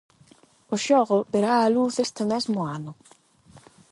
O xogo verá a luz este mesmo ano.